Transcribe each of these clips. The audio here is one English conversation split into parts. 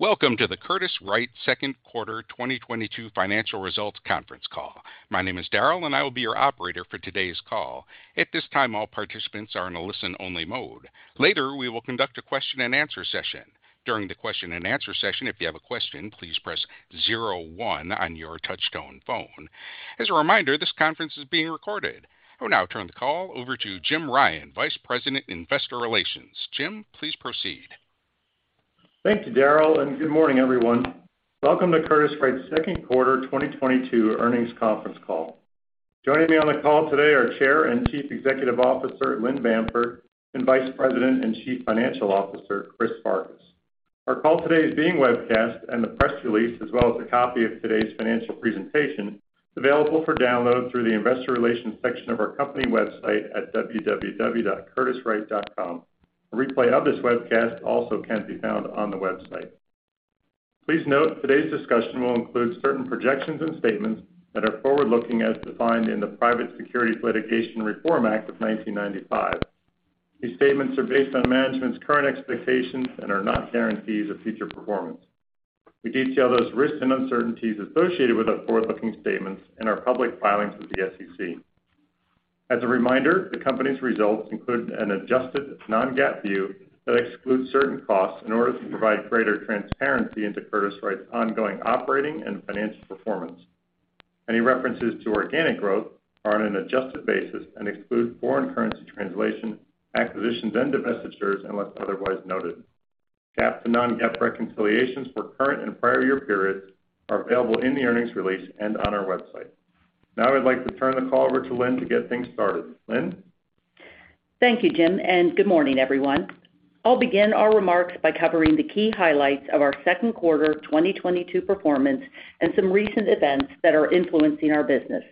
Welcome to the Curtiss-Wright second quarter 2022 financial results conference call. My name is Daryl, and I will be your operator for today's call. At this time, all participants are in a listen-only mode. Later, we will conduct a question-and-answer session. During the Q&A session, if you have a question, please press zero one on your touchtone phone. As a reminder, this conference is being recorded. I will now turn the call over to Jim Ryan, Vice President, Investor Relations. Jim, please proceed. Thank you, Daryl, and good morning, everyone. Welcome to Curtiss-Wright's second quarter 2022 earnings conference call. Joining me on the call today are Chair and Chief Executive Officer, Lynn Bamford, and Vice President and Chief Financial Officer, Chris Farkas. Our call today is being webcast and the press release, as well as a copy of today's financial presentation, available for download through the investor relations section of our company website at www.curtisswright.com. A replay of this webcast also can be found on the website. Please note, today's discussion will include certain projections and statements that are forward-looking as defined in the Private Securities Litigation Reform Act of 1995. These statements are based on management's current expectations and are not guarantees of future performance. We detail those risks and uncertainties associated with our forward-looking statements in our public filings with the SEC. As a reminder, the company's results include an adjusted non-GAAP view that excludes certain costs in order to provide greater transparency into Curtiss-Wright's ongoing operating and financial performance. Any references to organic growth are on an adjusted basis and exclude foreign currency translation, acquisitions and divestitures, unless otherwise noted. GAAP to non-GAAP reconciliations for current and prior year periods are available in the earnings release and on our website. Now I'd like to turn the call over to Lynn to get things started. Lynn? Thank you, Jim, and good morning, everyone. I'll begin our remarks by covering the key highlights of our second quarter 2022 performance and some recent events that are influencing our business.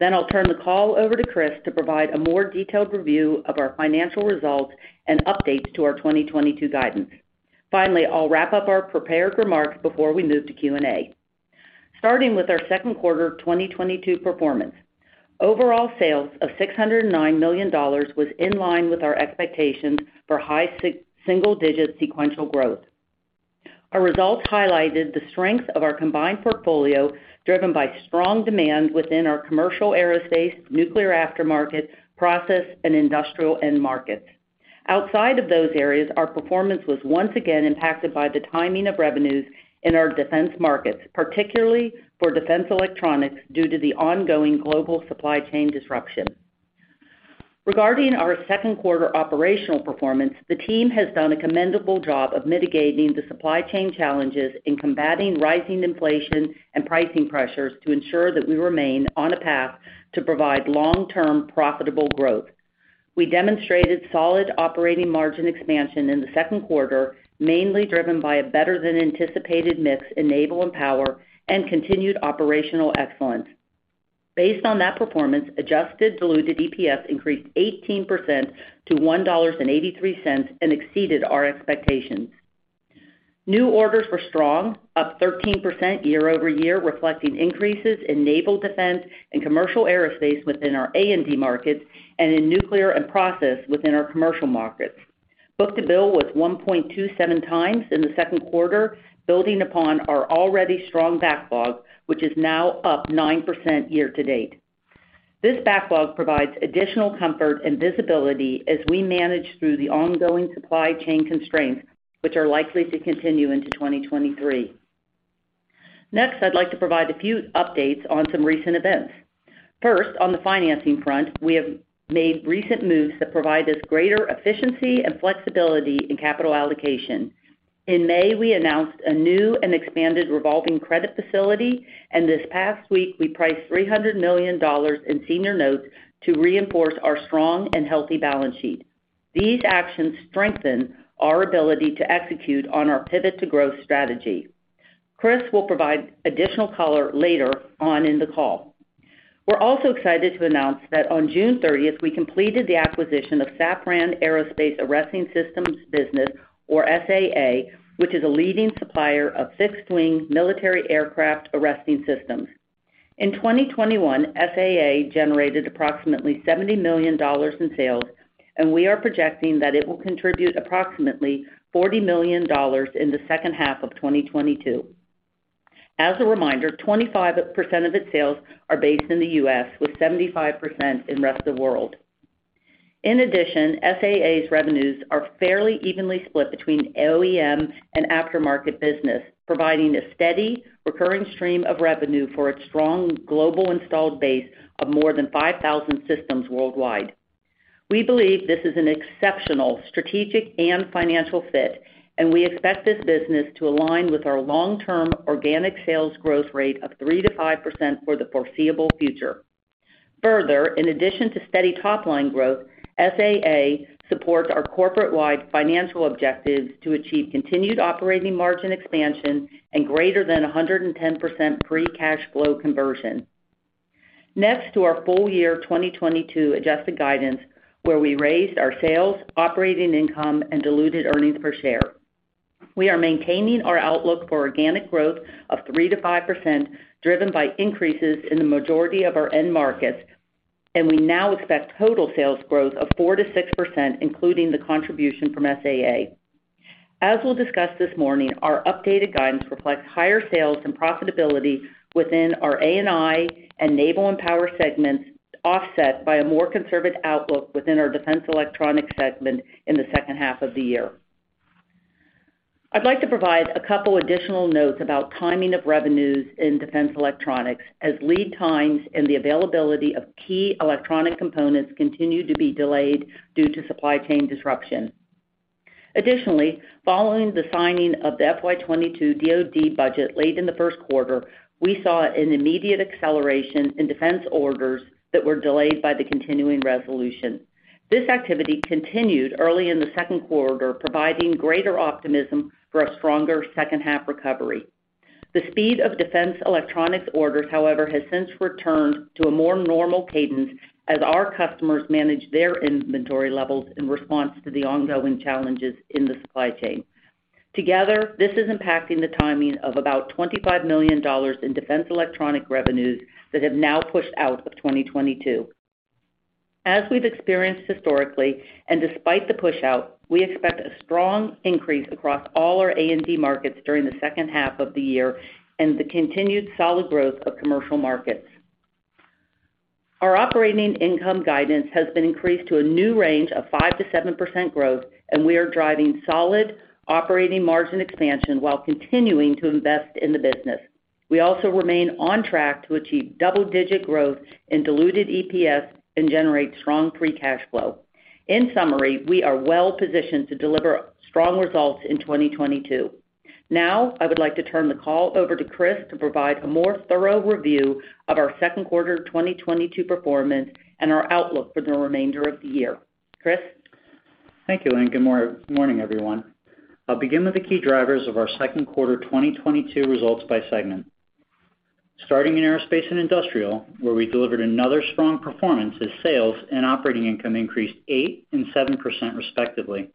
I'll turn the call over to Chris to provide a more detailed review of our financial results and updates to our 2022 guidance. Finally, I'll wrap up our prepared remarks before we move to Q&A. Starting with our second quarter 2022 performance. Overall sales of $609 million was in line with our expectations for high single-digit% sequential growth. Our results highlighted the strength of our combined portfolio, driven by strong demand within our commercial aerospace, nuclear aftermarket, process, and industrial end markets. Outside of those areas, our performance was once again impacted by the timing of revenues in our defense markets, particularly for Defense Electronics due to the ongoing global supply chain disruption. Regarding our second quarter operational performance, the team has done a commendable job of mitigating the supply chain challenges in combating rising inflation and pricing pressures to ensure that we remain on a path to provide long-term profitable growth. We demonstrated solid operating margin expansion in the second quarter, mainly driven by a better-than-anticipated mix in Naval & Power and continued operational excellence. Based on that performance, adjusted diluted EPS increased 18% to $1.83 and exceeded our expectations. New orders were strong, up 13% year-over-year, reflecting increases in naval defense and commercial aerospace within our A&D markets and in nuclear and process within our commercial markets. Book-to-bill was 1.27x in the second quarter, building upon our already strong backlog, which is now up 9% year to date. This backlog provides additional comfort and visibility as we manage through the ongoing supply chain constraints, which are likely to continue into 2023. Next, I'd like to provide a few updates on some recent events. First, on the financing front, we have made recent moves that provide us greater efficiency and flexibility in capital allocation. In May, we announced a new and expanded revolving credit facility, and this past week, we priced $300 million in senior notes to reinforce our strong and healthy balance sheet. These actions strengthen our ability to execute on our Pivot to Growth strategy. Chris will provide additional color later on in the call. We're also excited to announce that on June 30th, we completed the acquisition of Safran Aerosystems Arresting Company, or SAA, which is a leading supplier of fixed-wing military aircraft arresting systems. In 2021, SAA generated approximately $70 million in sales, and we are projecting that it will contribute approximately $40 million in the second half of 2022. As a reminder, 25% of its sales are based in the U.S., with 75% in rest of the world. In addition, SAA's revenues are fairly evenly split between OEM and aftermarket business, providing a steady recurring stream of revenue for its strong global installed base of more than 5,000 systems worldwide. We believe this is an exceptional strategic and financial fit, and we expect this business to align with our long-term organic sales growth rate of 3%-5% for the foreseeable future. Further, in addition to steady top line growth, SAA supports our corporate-wide financial objectives to achieve continued operating margin expansion and greater than 110% free cash flow conversion. Next to our full year 2022 adjusted guidance, where we raised our sales, operating income, and diluted earnings per share. We are maintaining our outlook for organic growth of 3%-5%, driven by increases in the majority of our end markets. We now expect total sales growth of 4%-6%, including the contribution from SAA. As we'll discuss this morning, our updated guidance reflects higher sales and profitability within our A&I and Naval & Power segments, offset by a more conservative outlook within our Defense Electronics segment in the second half of the year. I'd like to provide a couple additional notes about timing of revenues in Defense Electronics as lead times and the availability of key electronic components continue to be delayed due to supply chain disruption. Additionally, following the signing of the FY 2022 DoD budget late in the first quarter, we saw an immediate acceleration in defense orders that were delayed by the continuing resolution. This activity continued early in the second quarter, providing greater optimism for a stronger second half recovery. The speed of Defense Electronics orders, however, has since returned to a more normal cadence as our customers manage their inventory levels in response to the ongoing challenges in the supply chain. Together, this is impacting the timing of about $25 million in Defense Electronics revenues that have now pushed out of 2022. As we've experienced historically, and despite the pushout, we expect a strong increase across all our A&D markets during the second half of the year and the continued solid growth of commercial markets. Our operating income guidance has been increased to a new range of 5%-7% growth, and we are driving solid operating margin expansion while continuing to invest in the business. We also remain on track to achieve double-digit growth in diluted EPS and generate strong free cash flow. In summary, we are well positioned to deliver strong results in 2022. Now, I would like to turn the call over to Chris to provide a more thorough review of our second quarter 2022 performance and our outlook for the remainder of the year. Chris? Thank you, Lynn. Good morning, everyone. I'll begin with the key drivers of our second quarter 2022 results by segment. Starting in Aerospace & Industrial, where we delivered another strong performance as sales and operating income increased 8% and 7%, respectively.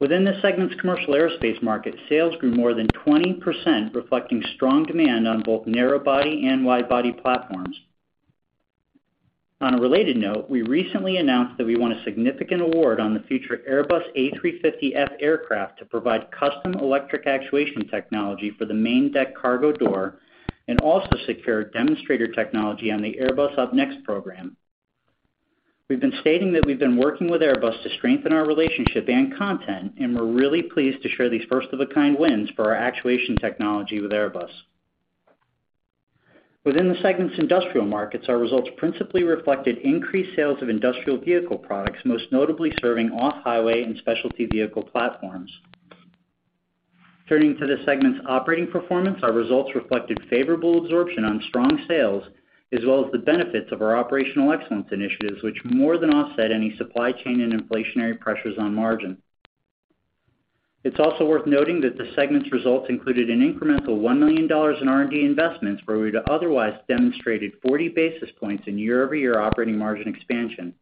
Within the segment's commercial aerospace market, sales grew more than 20%, reflecting strong demand on both narrow body and wide body platforms. On a related note, we recently announced that we won a significant award on the future Airbus A350F aircraft to provide custom electric actuation technology for the main deck cargo door and also secure demonstrator technology on the Airbus UpNext program. We've been stating that we've been working with Airbus to strengthen our relationship and content, and we're really pleased to share these first of a kind wins for our actuation technology with Airbus. Within the segment's industrial markets, our results principally reflected increased sales of industrial vehicle products, most notably serving off-highway and specialty vehicle platforms. Turning to the segment's operating performance, our results reflected favorable absorption on strong sales, as well as the benefits of our operational excellence initiatives, which more than offset any supply chain and inflationary pressures on margin. It's also worth noting that the segment's results included an incremental $1 million in R&D investments, where we would have otherwise demonstrated 40 basis points in year-over-year operating margin expansion.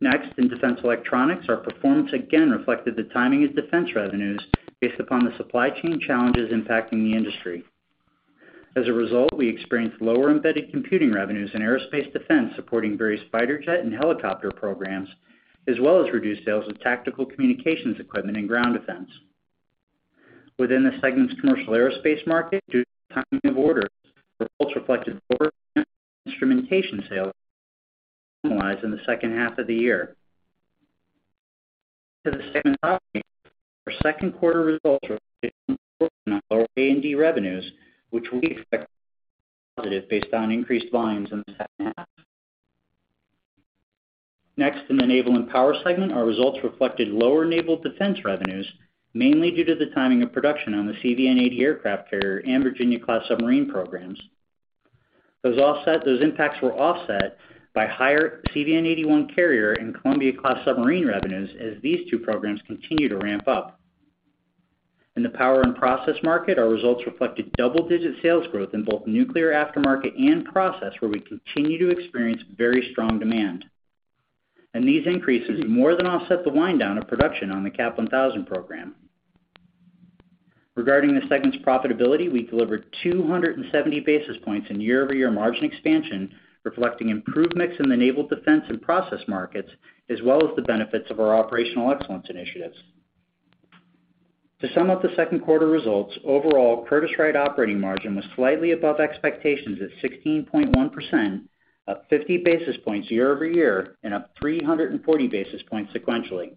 Next, in Defense Electronics, our performance again reflected the timing of defense revenues based upon the supply chain challenges impacting the industry. As a result, we experienced lower embedded computing revenues in Aerospace & Defense, supporting various fighter jet and helicopter programs, as well as reduced sales of tactical communications equipment and ground defense. Within the segment's commercial aerospace market, due to the timing of orders, results reflected lower instrumentation sales normalize in the second half of the year. Turning to the segment's operating income, our second quarter results reflected absorption on lower A&D revenues, which we expect to be positive based on increased lines in the second half. Next, in the Naval and Power segment, our results reflected lower Naval Defense revenues, mainly due to the timing of production on the CVN-80 aircraft carrier and Virginia-class submarine programs. Those impacts were offset by higher CVN-81 carrier and Columbia-class submarine revenues as these two programs continue to ramp up. In the Power and Process market, our results reflected double-digit sales growth in both nuclear aftermarket and process, where we continue to experience very strong demand. These increases more than offset the wind down of production on the CAP1000 program. Regarding the segment's profitability, we delivered 270 basis points in year-over-year margin expansion, reflecting improved mix in the Naval Defense and Process markets, as well as the benefits of our operational excellence initiatives. To sum up the second quarter results, overall, Curtiss-Wright operating margin was slightly above expectations at 16.1%, up 50 basis points year-over-year, and up 340 basis points sequentially.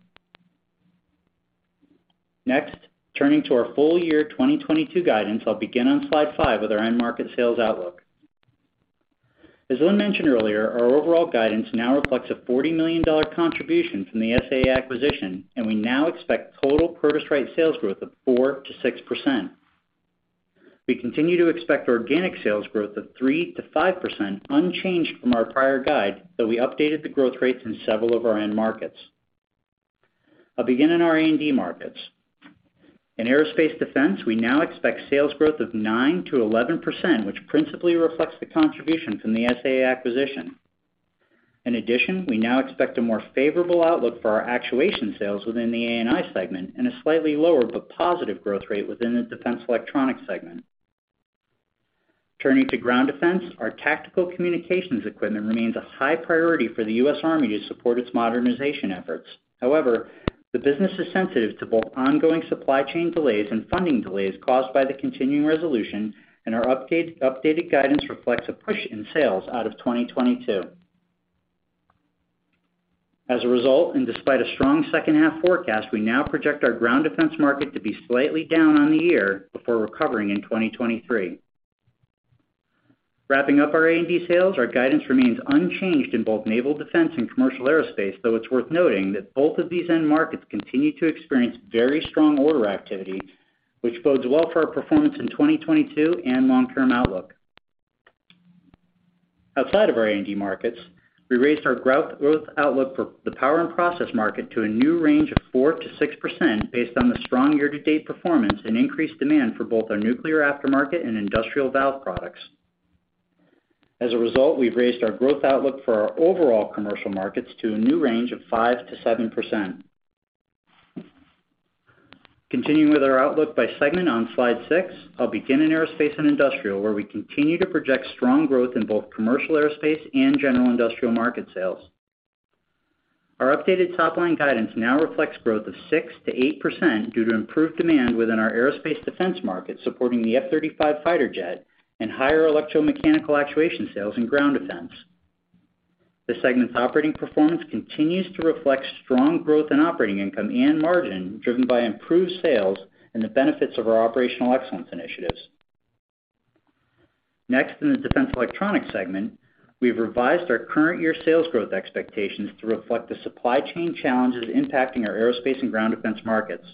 Next, turning to our full year 2022 guidance, I'll begin on slide five with our end market sales outlook. As Lynn mentioned earlier, our overall guidance now reflects a $40 million contribution from the SAA acquisition, and we now expect total Curtiss-Wright sales growth of 4%-6%. We continue to expect organic sales growth of 3%-5%, unchanged from our prior guide, though we updated the growth rates in several of our end markets. I'll begin in our A&D markets. In Aerospace & Defense, we now expect sales growth of 9%-11%, which principally reflects the contribution from the SAA acquisition. In addition, we now expect a more favorable outlook for our actuation sales within the A&I segment and a slightly lower but positive growth rate within the Defense Electronics segment. Turning to ground defense, our tactical communications equipment remains a high priority for the U.S. Army to support its modernization efforts. However, the business is sensitive to both ongoing supply chain delays and funding delays caused by the continuing resolution, and our updated guidance reflects a push in sales out of 2022. As a result, and despite a strong second half forecast, we now project our ground defense market to be slightly down on the year before recovering in 2023. Wrapping up our A&D sales, our guidance remains unchanged in both naval defense and commercial aerospace, though it's worth noting that both of these end markets continue to experience very strong order activity, which bodes well for our performance in 2022 and long-term outlook. Outside of our A&D markets, we raised our growth outlook for the power and process market to a new range of 4%-6% based on the strong year-to-date performance and increased demand for both our nuclear aftermarket and industrial valve products. As a result, we've raised our growth outlook for our overall commercial markets to a new range of 5%-7%. Continuing with our outlook by segment on slide six, I'll begin in aerospace and industrial, where we continue to project strong growth in both commercial aerospace and general industrial market sales. Our updated top-line guidance now reflects growth of 6%-8% due to improved demand within our aerospace and defense market, supporting the F-35 fighter jet and higher electromechanical actuation sales in ground defense. The segment's operating performance continues to reflect strong growth in operating income and margin driven by improved sales and the benefits of our operational excellence initiatives. Next, in the Defense Electronics segment, we've revised our current year sales growth expectations to reflect the supply chain challenges impacting our aerospace and ground defense markets.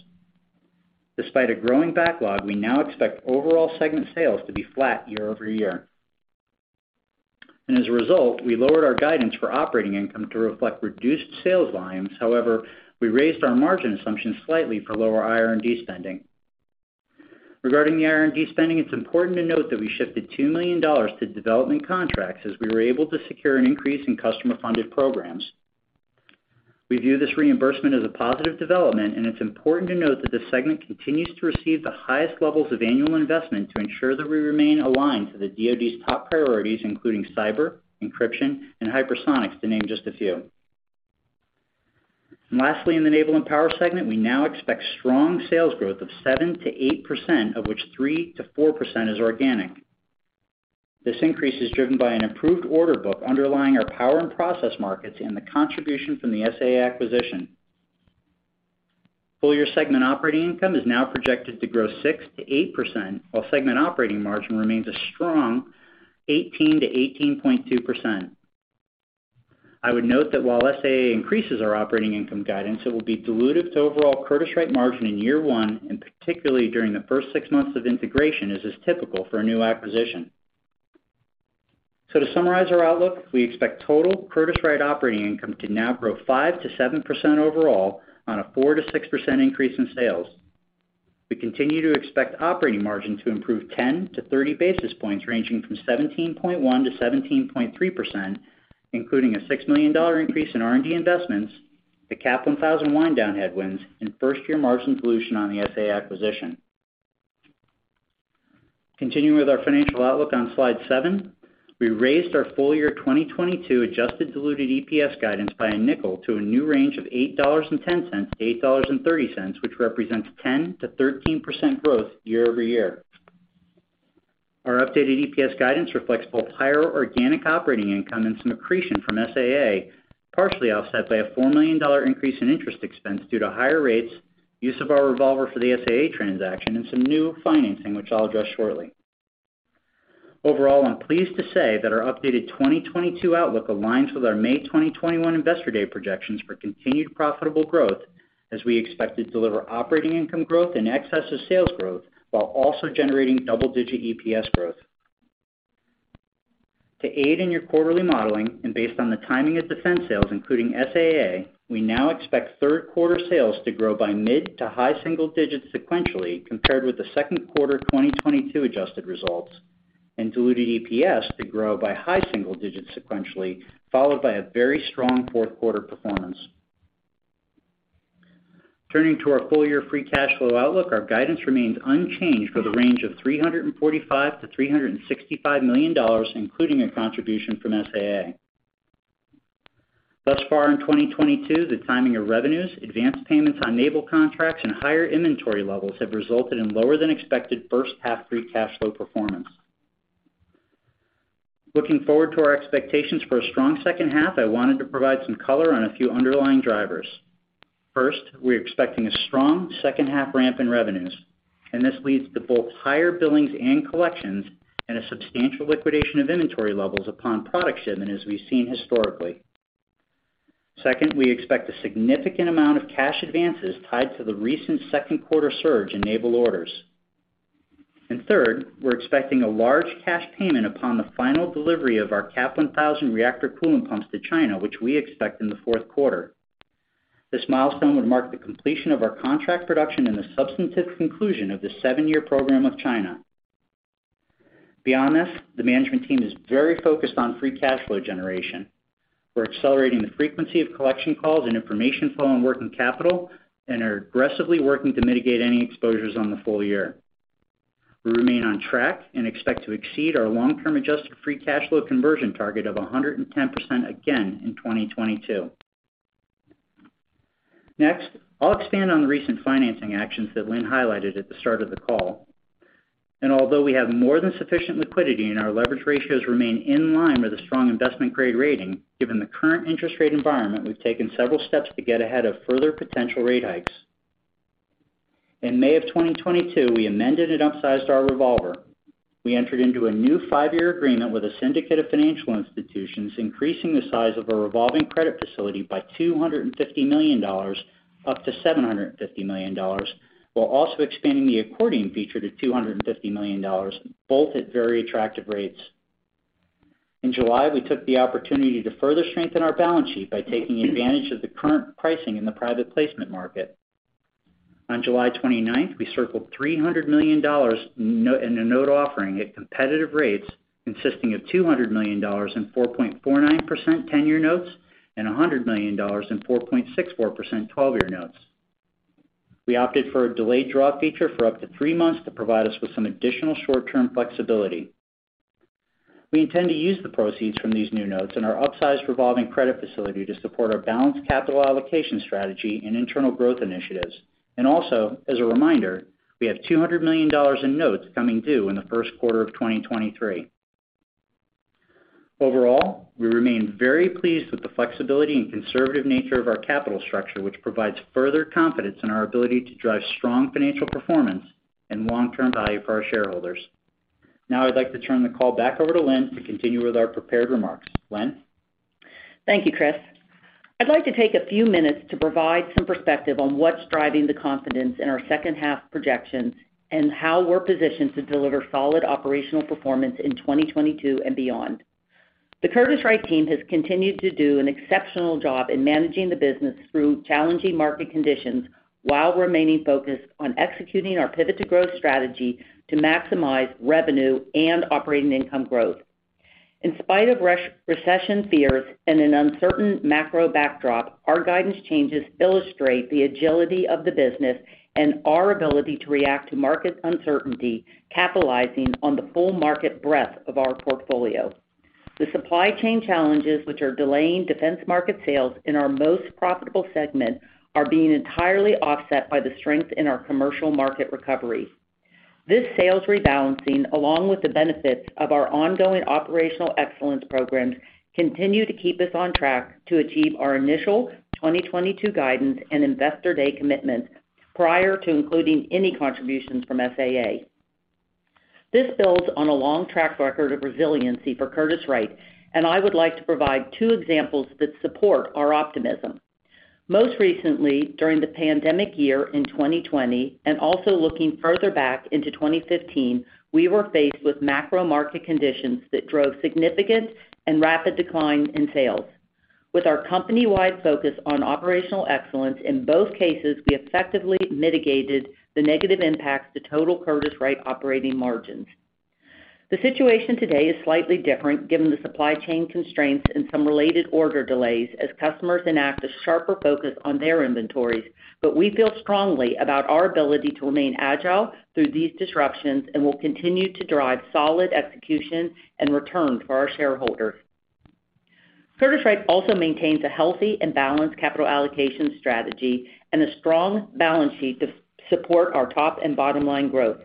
Despite a growing backlog, we now expect overall segment sales to be flat year-over-year. As a result, we lowered our guidance for operating income to reflect reduced sales volumes. However, we raised our margin assumptions slightly for lower IR&D spending. Regarding the R&D spending, it's important to note that we shifted $2 million to development contracts as we were able to secure an increase in customer-funded programs. We view this reimbursement as a positive development, and it's important to note that this segment continues to receive the highest levels of annual investment to ensure that we remain aligned to the DoD's top priorities, including cyber, encryption, and hypersonics, to name just a few. Lastly, in the Naval & Power segment, we now expect strong sales growth of 7%-8%, of which 3%-4% is organic. This increase is driven by an improved order book underlying our power and process markets and the contribution from the SAA acquisition. Full year segment operating income is now projected to grow 6%-8%, while segment operating margin remains a strong 18%-18.2%. I would note that while SAA increases our operating income guidance, it will be dilutive to overall Curtiss-Wright margin in year one, and particularly during the first six months of integration, as is typical for a new acquisition. To summarize our outlook, we expect total Curtiss-Wright operating income to now grow 5%-7% overall on a 4%-6% increase in sales. We continue to expect operating margin to improve 10 to 30 basis points, ranging from 17.1%-17.3%, including a $6 million increase in R&D investments, the CAP1000 wind down headwinds, and first-year margin dilution on the SAA acquisition. Continuing with our financial outlook on slide seven, we raised our full year 2022 adjusted diluted EPS guidance by a nickel to a new range of $8.10-$8.30, which represents 10%-13% growth year-over-year. Our updated EPS guidance reflects both higher organic operating income and some accretion from SAA, partially offset by a $4 million increase in interest expense due to higher rates, use of our revolver for the SAA transaction, and some new financing, which I'll address shortly. Overall, I'm pleased to say that our updated 2022 outlook aligns with our May 2021 Investor Day projections for continued profitable growth as we expect to deliver operating income growth in excess of sales growth while also generating double-digit EPS growth. To aid in your quarterly modeling and based on the timing of defense sales, including SAA, we now expect third quarter sales to grow by mid- to high-single digits% sequentially compared with the second quarter 2022 adjusted results, and diluted EPS to grow by high-single digits% sequentially, followed by a very strong fourth quarter performance. Turning to our full year free cash flow outlook, our guidance remains unchanged with a range of $345 million-$365 million, including a contribution from SAA. Thus far in 2022, the timing of revenues, advanced payments on naval contracts, and higher inventory levels have resulted in lower than expected first half free cash flow performance. Looking forward to our expectations for a strong second half, I wanted to provide some color on a few underlying drivers. First, we're expecting a strong second half ramp in revenues, and this leads to both higher billings and collections and a substantial liquidation of inventory levels upon product shipment as we've seen historically. Second, we expect a significant amount of cash advances tied to the recent second quarter surge in naval orders. Third, we're expecting a large cash payment upon the final delivery of our CAP1000 Reactor Coolant Pumps to China, which we expect in the fourth quarter. This milestone would mark the completion of our contract production and the substantive conclusion of the seven-year program with China. Beyond this, the management team is very focused on free cash flow generation. We're accelerating the frequency of collection calls and information flow on working capital and are aggressively working to mitigate any exposures on the full year. We remain on track and expect to exceed our long-term adjusted free cash flow conversion target of 110% again in 2022. Next, I'll expand on the recent financing actions that Lynn highlighted at the start of the call. Although we have more than sufficient liquidity and our leverage ratios remain in line with a strong investment-grade rating, given the current interest rate environment, we've taken several steps to get ahead of further potential rate hikes. In May of 2022, we amended and upsized our revolver. We entered into a new five-year agreement with a syndicate of financial institutions, increasing the size of our revolving credit facility by $250 million up to $750 million, while also expanding the accordion feature to $250 million, both at very attractive rates. In July, we took the opportunity to further strengthen our balance sheet by taking advantage of the current pricing in the private placement market. On July 29, we circled $300 million in a note offering at competitive rates, consisting of $200 million in 4.49% 10-year notes and $100 million in 4.64% 12-year notes. We opted for a delayed draw feature for up to three months to provide us with some additional short-term flexibility. We intend to use the proceeds from these new notes in our upsized revolving credit facility to support our balanced capital allocation strategy and internal growth initiatives. Also, as a reminder, we have $200 million in notes coming due in the first quarter of 2023. Overall, we remain very pleased with the flexibility and conservative nature of our capital structure, which provides further confidence in our ability to drive strong financial performance and long-term value for our shareholders. Now I'd like to turn the call back over to Lynn to continue with our prepared remarks. Lynn? Thank you, Chris. I'd like to take a few minutes to provide some perspective on what's driving the confidence in our second half projections and how we're positioned to deliver solid operational performance in 2022 and beyond. The Curtiss-Wright team has continued to do an exceptional job in managing the business through challenging market conditions while remaining focused on executing our Pivot to Growth strategy to maximize revenue and operating income growth. In spite of recession fears and an uncertain macro backdrop, our guidance changes illustrate the agility of the business and our ability to react to market uncertainty, capitalizing on the full market breadth of our portfolio. The supply chain challenges, which are delaying defense market sales in our most profitable segment, are being entirely offset by the strength in our commercial market recovery. This sales rebalancing, along with the benefits of our ongoing operational excellence programs, continue to keep us on track to achieve our initial 2022 guidance and Investor Day commitment prior to including any contributions from SAA. This builds on a long track record of resiliency for Curtiss-Wright, and I would like to provide two examples that support our optimism. Most recently, during the pandemic year in 2020, and also looking further back into 2015, we were faced with macro market conditions that drove significant and rapid decline in sales. With our company-wide focus on operational excellence, in both cases, we effectively mitigated the negative impacts to total Curtiss-Wright operating margins. The situation today is slightly different given the supply chain constraints and some related order delays as customers enact a sharper focus on their inventories, but we feel strongly about our ability to remain agile through these disruptions and will continue to drive solid execution and return for our shareholders. Curtiss-Wright also maintains a healthy and balanced capital allocation strategy and a strong balance sheet to support our top and bottom line growth.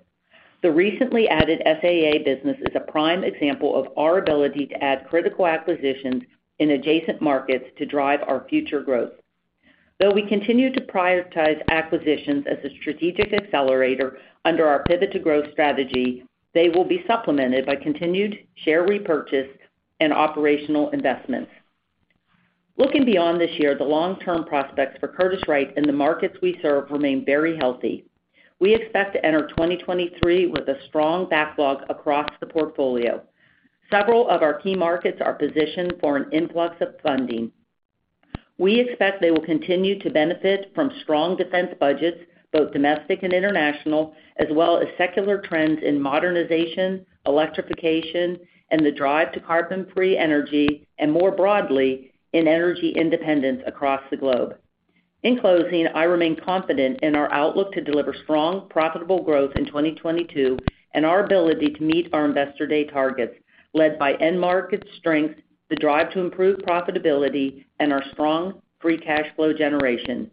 The recently added SAA business is a prime example of our ability to add critical acquisitions in adjacent markets to drive our future growth. Though we continue to prioritize acquisitions as a strategic accelerator under our Pivot to Growth strategy, they will be supplemented by continued share repurchase and operational investments. Looking beyond this year, the long-term prospects for Curtiss-Wright and the markets we serve remain very healthy. We expect to enter 2023 with a strong backlog across the portfolio. Several of our key markets are positioned for an influx of funding. We expect they will continue to benefit from strong defense budgets, both domestic and international, as well as secular trends in modernization, electrification, and the drive to carbon-free energy, and more broadly, in energy independence across the globe. In closing, I remain confident in our outlook to deliver strong, profitable growth in 2022 and our ability to meet our Investor Day targets, led by end market strength, the drive to improve profitability, and our strong free cash flow generation.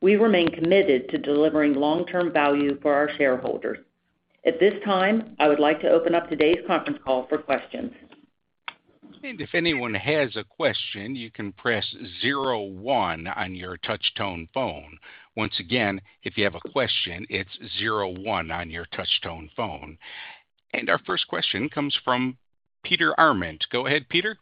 We remain committed to delivering long-term value for our shareholders. At this time, I would like to open up today's conference call for questions. If anyone has a question, you can press zero one on your touch-tone phone. Once again, if you have a question, it's zero one on your touch-tone phone. Our first question comes from Peter Arment. Go ahead, Peter.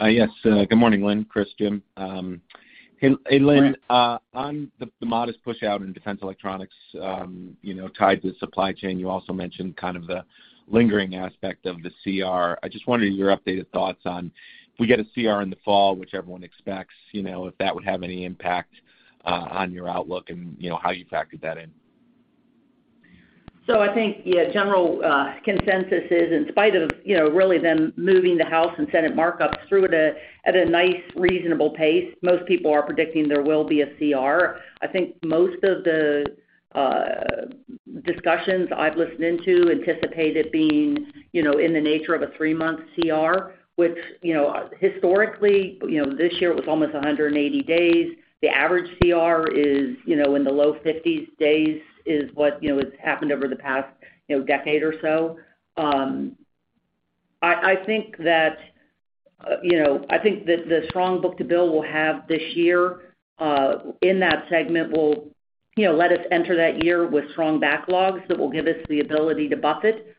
Yes. Good morning, Lynn, Chris, Jim. Hey, Lynn, on the modest pushout in Defense Electronics, you know, tied to supply chain, you also mentioned kind of the lingering aspect of the CR. I just wondered your updated thoughts on if we get a CR in the fall, which everyone expects, you know, if that would have any impact on your outlook and, you know, how you factored that in. I think, yeah, general consensus is in spite of, you know, really them moving the House and Senate markups through at a nice, reasonable pace, most people are predicting there will be a CR. I think most of the discussions I've listened into anticipated being, you know, in the nature of a three-month CR, which, you know, historically, you know, this year it was almost 180 days. The average CR is, you know, in the low 50s days is what, you know, has happened over the past, you know, decade or so. I think that the strong book-to-bill we'll have this year in that segment will let us enter that year with strong backlogs that will give us the ability to buffer it,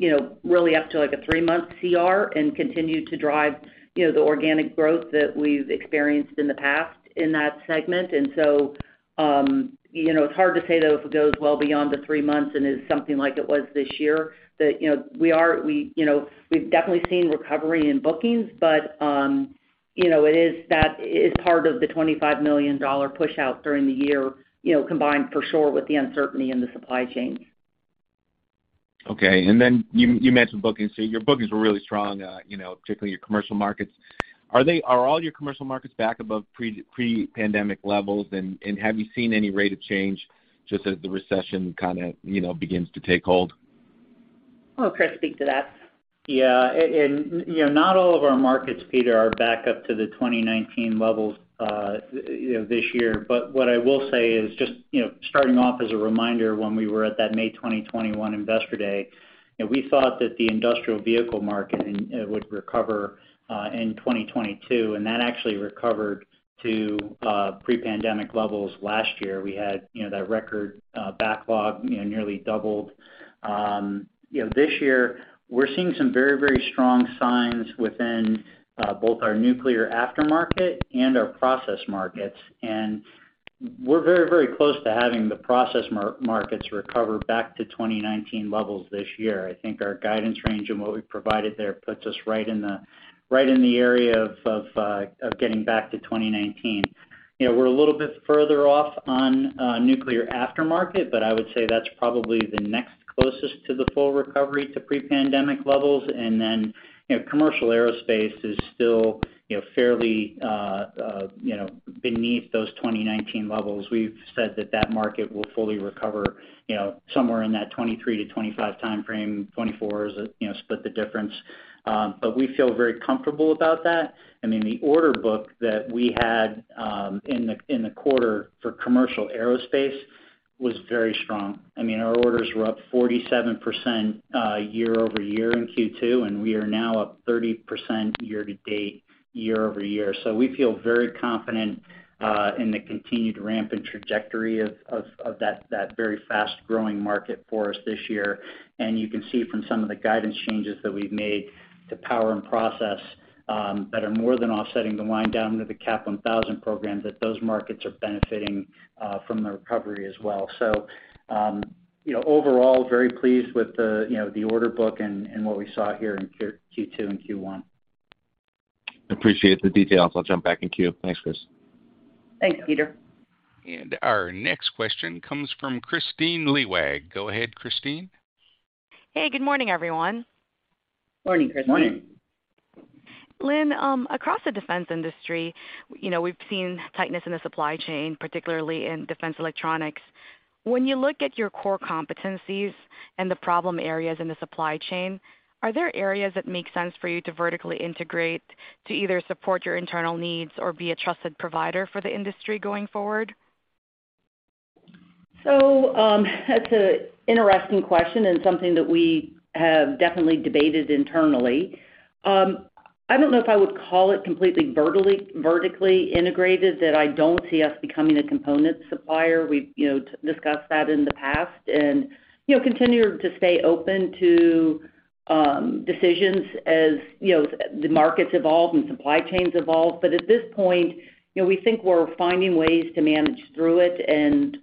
you know, really up to like a three-month CR and continue to drive the organic growth that we've experienced in the past in that segment. It's hard to say, though, if it goes well beyond the three months and is something like it was this year, that we, you know, we've definitely seen recovery in bookings, but you know, it is that, it is part of the $25 million push out during the year, you know, combined for sure with the uncertainty in the supply chains. Okay. You mentioned bookings. Your bookings were really strong, you know, particularly your commercial markets. Are they all your commercial markets back above pre-pandemic levels? Have you seen any rate of change just as the recession kind of, you know, begins to take hold? I'll let Chris speak to that. Yeah. You know, not all of our markets, Peter, are back up to the 2019 levels, you know, this year. What I will say is just, you know, starting off as a reminder, when we were at that May 2021 Investor Day, you know, we thought that the industrial vehicle market and would recover in 2022, and that actually recovered to pre-pandemic levels last year. We had, you know, that record backlog, you know, nearly doubled. You know, this year we're seeing some very, very strong signs within both our nuclear aftermarket and our process markets. We're very, very close to having the process markets recover back to 2019 levels this year. I think our guidance range and what we provided there puts us right in the area of getting back to 2019. You know, we're a little bit further off on nuclear aftermarket, but I would say that's probably the next closest to the full recovery to pre-pandemic levels. Then, you know, commercial aerospace is still, you know, fairly, you know, beneath those 2019 levels. We've said that that market will fully recover, you know, somewhere in that 2023-2025 timeframe, 2024 as a, you know, split the difference. But we feel very comfortable about that. I mean, the order book that we had in the quarter for commercial aerospace was very strong. I mean, our orders were up 47% year over year in Q2, and we are now up 30% year to date, year over year. We feel very confident in the continued rampant trajectory of that very fast-growing market for us this year. You can see from some of the guidance changes that we've made to power and process that are more than offsetting the wind down of the CAP1000 program, that those markets are benefiting from the recovery as well. You know, overall, very pleased with the, you know, the order book and what we saw here in Q2 and Q1. Appreciate the details. I'll jump back in queue. Thanks, Chris. Thanks, Peter. Our next question comes from Kristine Liwag. Go ahead, Kristine. Hey, good morning, everyone. Morning, Kristine. Morning. Lynn, across the defense industry, we've seen tightness in the supply chain, particularly in Defense Electronics. When you look at your core competencies and the problem areas in the supply chain, are there areas that make sense for you to vertically integrate to either support your internal needs or be a trusted provider for the industry going forward? That's an interesting question and something that we have definitely debated internally. I don't know if I would call it completely vertically integrated, that I don't see us becoming a component supplier. We've, you know, discussed that in the past and, you know, continue to stay open to, decisions as, you know, the markets evolve and supply chains evolve. At this point, you know, we think we're finding ways to manage through it and,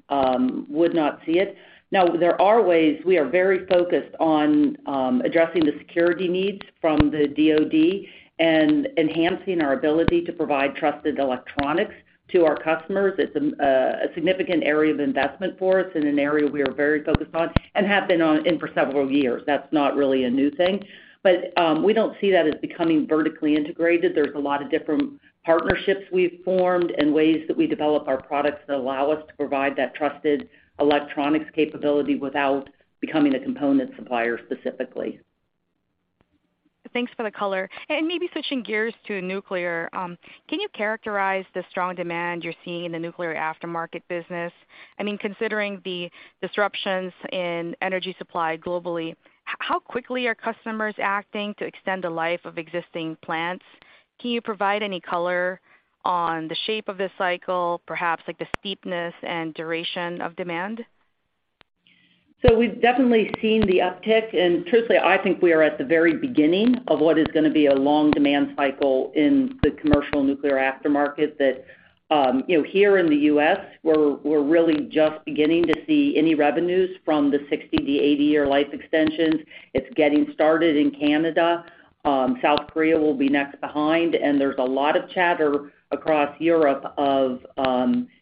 would not see it. Now, there are ways we are very focused on, addressing the security needs from the DoD and enhancing our ability to provide trusted electronics to our customers. It's, a significant area of investment for us and an area we are very focused on and have been on it for several years. That's not really a new thing. We don't see that as becoming vertically integrated. There's a lot of different partnerships we've formed and ways that we develop our products that allow us to provide that trusted electronics capability without becoming a component supplier specifically. Thanks for the color. Maybe switching gears to nuclear, can you characterize the strong demand you're seeing in the nuclear aftermarket business? I mean, considering the disruptions in energy supply globally, how quickly are customers acting to extend the life of existing plants? Can you provide any color on the shape of this cycle, perhaps like the steepness and duration of demand? We've definitely seen the uptick, and truthfully, I think we are at the very beginning of what is gonna be a long demand cycle in the commercial nuclear aftermarket that, you know, here in the U.S., we're really just beginning to see any revenues from the 60- to 80-year life extensions. It's getting started in Canada. South Korea will be next behind, and there's a lot of chatter across Europe of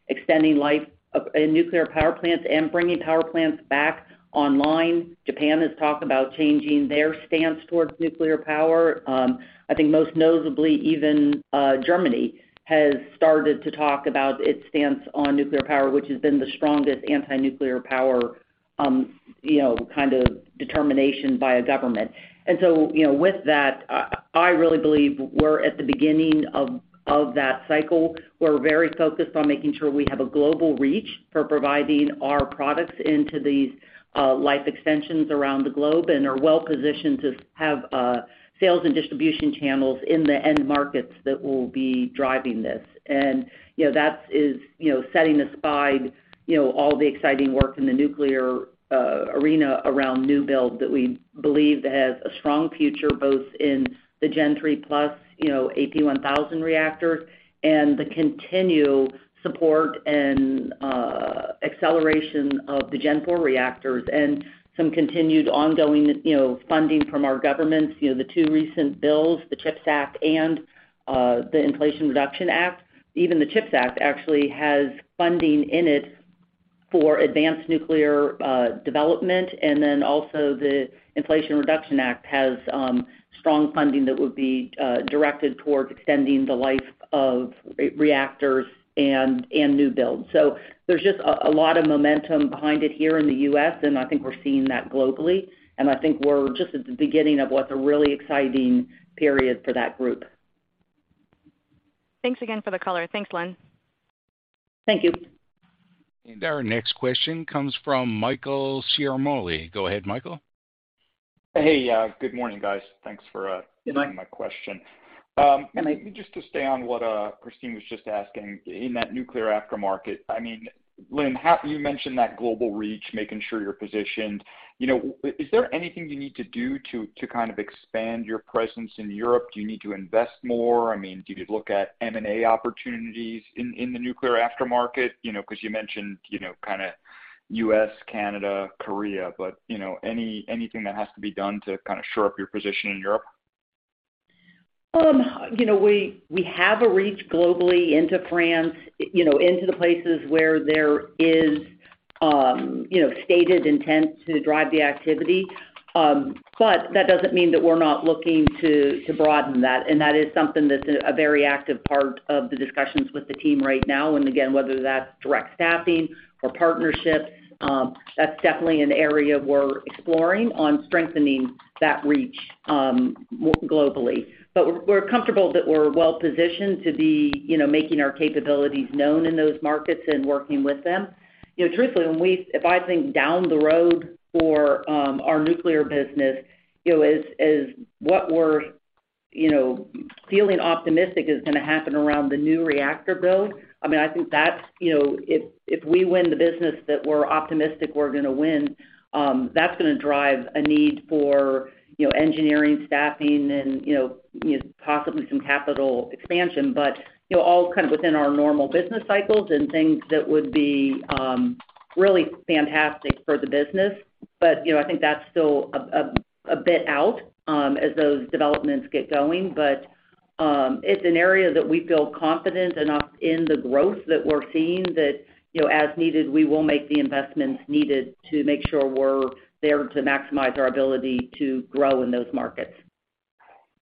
extending life of in nuclear power plants and bringing power plants back online. Japan has talked about changing their stance towards nuclear power. I think most notably even, Germany has started to talk about its stance on nuclear power, which has been the strongest anti-nuclear power you know, kind of determination by a government. With that, I really believe we're at the beginning of that cycle. We're very focused on making sure we have a global reach for providing our products into these life extensions around the globe and are well-positioned to have sales and distribution channels in the end markets that will be driving this. You know, that is, you know, setting aside, you know, all the exciting work in the nuclear arena around new build that we believe has a strong future, both in the Gen III+ you know, AP1000 reactors and the continued support and acceleration of the Gen IV reactors and some continued ongoing, you know, funding from our governments. You know, the two recent bills, the CHIPS Act and the Inflation Reduction Act, even the CHIPS Act actually has funding in it for advanced nuclear development. The Inflation Reduction Act has strong funding that would be directed towards extending the life of reactors and new builds. There's just a lot of momentum behind it here in the U.S., and I think we're seeing that globally, and I think we're just at the beginning of what's a really exciting period for that group. Thanks again for the color. Thanks, Lynn. Thank you. Our next question comes from Michael Ciarmoli. Go ahead, Michael. Hey, good morning, guys. Thanks for. Good morning. taking my question. Just to stay on what Kristine was just asking, in that nuclear aftermarket, I mean, Lynn, you mentioned that global reach, making sure you're positioned. You know, is there anything you need to do to kind of expand your presence in Europe? Do you need to invest more? I mean, do you look at M&A opportunities in the nuclear aftermarket? You know, 'cause you mentioned, you know, kinda U.S., Canada, Korea, but you know, anything that has to be done to kinda shore up your position in Europe? You know, we have a reach globally into France, you know, into the places where there is, you know, stated intent to drive the activity. That doesn't mean that we're not looking to broaden that. That is something that's a very active part of the discussions with the team right now. Again, whether that's direct staffing or partnerships, that's definitely an area we're exploring on strengthening that reach, globally. We're comfortable that we're well-positioned to be, you know, making our capabilities known in those markets and working with them. You know, truthfully, when, if I think down the road for our nuclear business, you know, as what we're, you know, feeling optimistic is gonna happen around the new reactor build. I mean, I think that's, you know, if we win the business that we're optimistic we're gonna win, that's gonna drive a need for, you know, engineering, staffing and, you know, possibly some capital expansion. You know, all kind of within our normal business cycles and things that would be, really fantastic for the business. You know, I think that's still a bit out, as those developments get going. It's an area that we feel confident enough in the growth that we're seeing that, you know, as needed, we will make the investments needed to make sure we're there to maximize our ability to grow in those markets.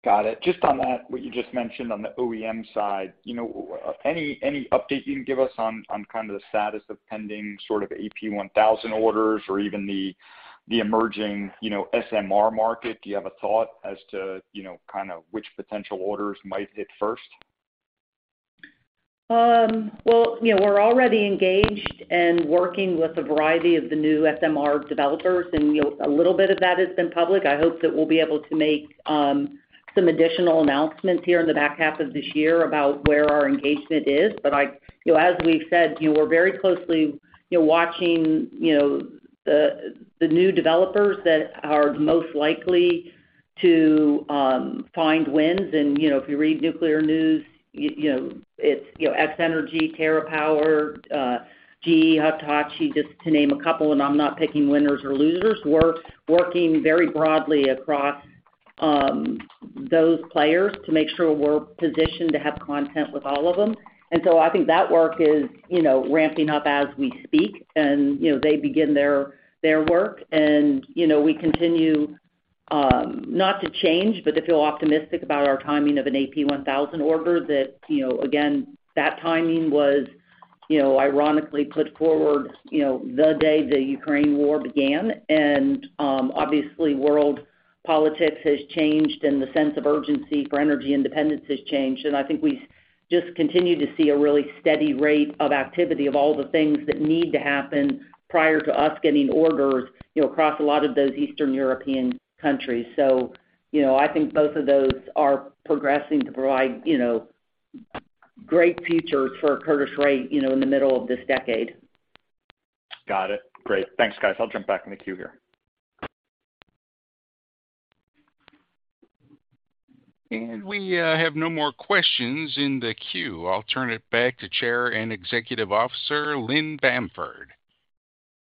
Got it. Just on that, what you just mentioned on the OEM side, you know, any update you can give us on kind of the status of pending sort of AP1000 orders or even the emerging, you know, SMR market? Do you have a thought as to, you know, kind of which potential orders might hit first? Well, you know, we're already engaged and working with a variety of the new SMR developers, and, you know, a little bit of that has been public. I hope that we'll be able to make some additional announcements here in the back half of this year about where our engagement is. You know, as we've said, you know, we're very closely, you know, watching, you know, the new developers that are most likely to find wins. You know, if you read nuclear news, you know, it's, you know, X-energy, TerraPower, GE, Hitachi, just to name a couple, and I'm not picking winners or losers. We're working very broadly across those players to make sure we're positioned to have content with all of them. I think that work is, you know, ramping up as we speak, and, you know, they begin their work. I think we continue not to change, but to feel optimistic about our timing of an AP1000 order that, you know, again, that timing was, you know, ironically put forward, you know, the day the Ukraine war began. Obviously world politics has changed and the sense of urgency for energy independence has changed. I think we just continue to see a really steady rate of activity of all the things that need to happen prior to us getting orders, you know, across a lot of those Eastern European countries. I think both of those are progressing to provide, you know, great future for Curtiss-Wright, you know, in the middle of this decade. Got it. Great. Thanks, guys. I'll jump back in the queue here. We have no more questions in the queue. I'll turn it back to Chair and Chief Executive Officer Lynn Bamford.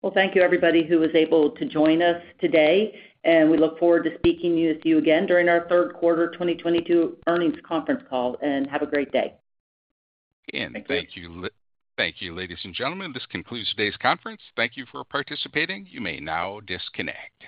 Well, thank you everybody who was able to join us today, and we look forward to speaking to you again during our third quarter 2022 earnings conference call, and have a great day. Thank you, ladies and gentlemen. This concludes today's conference. Thank you for participating. You may now disconnect.